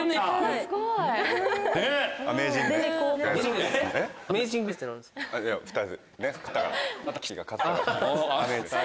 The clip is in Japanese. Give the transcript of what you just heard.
すごい品。